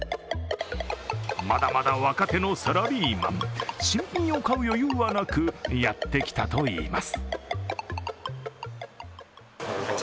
まだまだ若手のサラリーマン、新品を買う余裕はなくやってきたといいます。